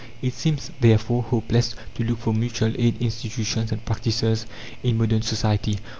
It seems, therefore, hopeless to look for mutual aid institutions and practices in modern society.